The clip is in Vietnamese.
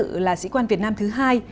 chúng tuyển dự là sĩ quan việt nam thứ hai